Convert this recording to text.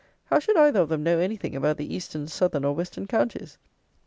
How should either of them know anything about the eastern, southern, or western counties?